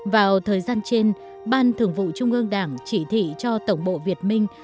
vào thời gian trên ban thường vụ trung ương đảng chỉ thị cho tổng bộ việt minh